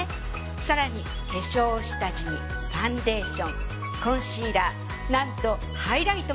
更に化粧下地にファンデーションコンシーラーなんとハイライトまで。